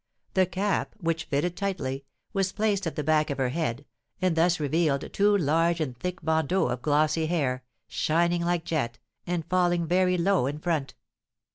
The cap, which fitted tightly, was placed at the back of her head, and thus revealed two large and thick bandeaux of glossy hair, shining like jet, and falling very low in front.